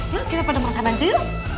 yuk kita pada makan aja yuk